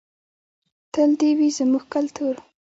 تل دې وي زموږ کلتور.